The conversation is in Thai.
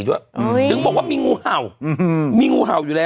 ถึงบอกว่ามีงูเห่ามีงูเห่าอยู่แล้ว